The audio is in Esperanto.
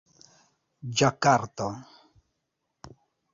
ĝakarto